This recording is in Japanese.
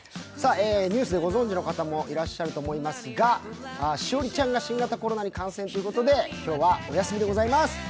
ニュースでご存じの方もいらっしゃると思いますが、栞里ちゃんが新型コロナに感染ということで、今日はお休みでございます。